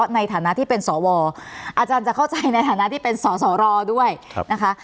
ในฐานะที่เป็นสวอาจารย์จะเข้าใจในฐานะที่เป็นสสรด้วยนะคะ